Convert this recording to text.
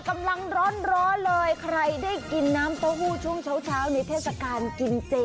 กำลังร้อนเลยใครได้กินน้ำเต้าหู้ช่วงเช้าในเทศกาลกินเจ